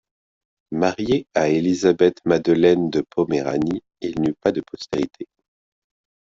Marié à Élisabeth-Madeleine de Poméranie, il n'eut pas de postérité.